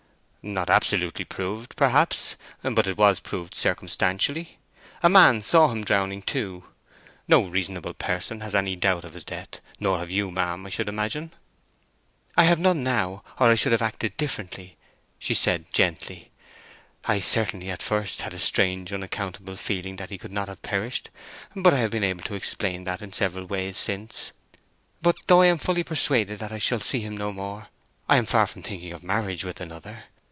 "Not absolutely proved, perhaps, but it was proved circumstantially. A man saw him drowning, too. No reasonable person has any doubt of his death; nor have you, ma'am, I should imagine." "I have none now, or I should have acted differently," she said, gently. "I certainly, at first, had a strange unaccountable feeling that he could not have perished, but I have been able to explain that in several ways since. But though I am fully persuaded that I shall see him no more, I am far from thinking of marriage with another.